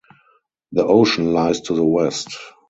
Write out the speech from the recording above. The ocean lies to the west.